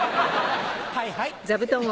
はいはい。